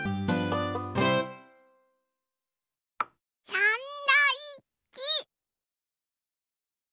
サンドイッチ。